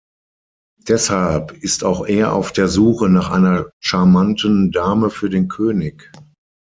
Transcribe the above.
Deshalb ist auch er auf der Suche nach einer charmanten Dame für den König.